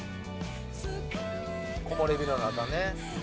木漏れ日の中ね。